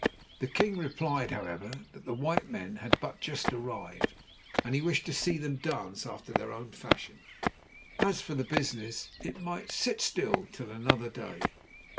The king replied however, that the white men had but just arrived, and he wished to see them dance after their own fashion. As for the business, it might "sit still" till another day.